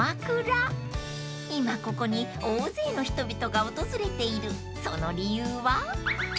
［今ここに大勢の人々が訪れているその理由は？］